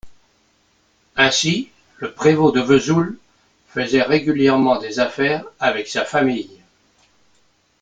Ainsi, le prévôt de Vesoul, faisait régulièrement des affaires avec la famille.